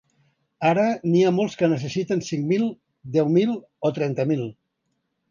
Ara, n’hi ha molts que en necessiten cinc mil, deu mil o trenta mil.